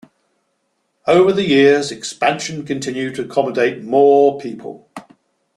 Over the years, expansion continued to accommodate more people.